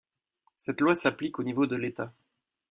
Cette loi s'applique au niveau de l'État.